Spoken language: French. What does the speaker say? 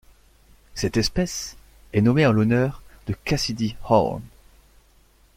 Cette espèce est nommée en l'honneur de Cassidy Horn.